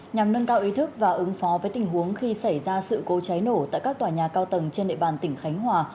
nhằm nâng cao ý thức và ứng phó với tình huống khi xảy ra sự cố cháy nổ tại các tòa nhà cao tầng trên địa bàn tỉnh khánh hòa